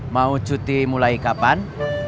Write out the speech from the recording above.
mau cuti mulai kapan